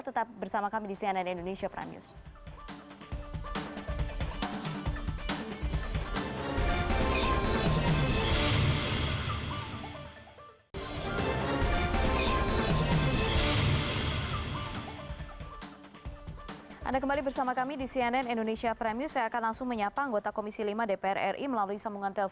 tetap bersama kami di cnn indonesia prime news